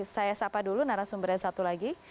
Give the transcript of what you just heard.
saya sapa dulu narasumbernya satu lagi